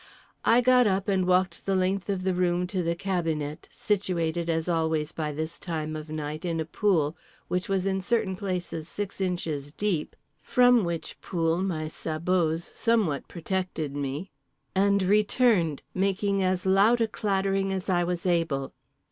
I got up and walked the length of the room to the cabinet (situated as always by this time of night in a pool which was in certain places six inches deep, from which pool my sabots somewhat protected me) and returned, making as loud a clattering as I was able.